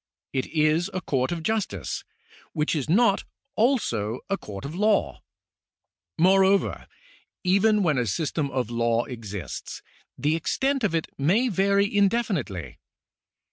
It is a court of justice, which is not also a court of law. Moreover, even when a system of law exists, the extent of it may vary indefinitely.